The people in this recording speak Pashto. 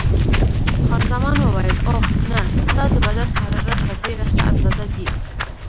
خان زمان وویل: اوه، نه، ستا د بدن حرارت په ډېره ښه اندازه دی.